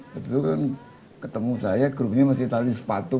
waktu itu kan ketemu saya grupnya masih tahu sepatu